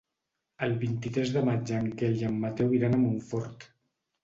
El vint-i-tres de maig en Quel i en Mateu iran a Montfort.